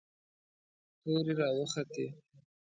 تورې را وختې.